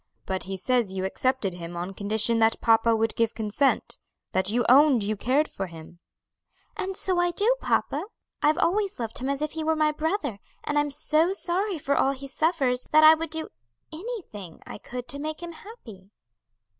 "But he says you accepted him on condition that papa would give consent, that you owned you cared for him." "And so I do, papa; I've always loved him as if he were my brother; and I'm so sorry for all he suffers, that I would do anything I could to make him happy."